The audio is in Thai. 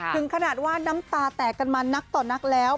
ถึงขนาดว่าน้ำตาแตกกันมานักต่อนักแล้ว